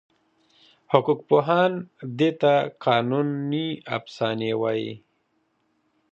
حقوقپوهان دې ته قانوني افسانه وایي.